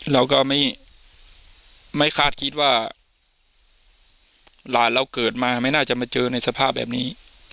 เราก็ไม่คาดคิดว่าหลานเราเกิดมาไม่น่าจะมาเจอในสภาพแบบนี้